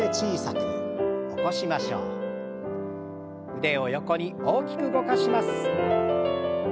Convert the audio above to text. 腕を横に大きく動かします。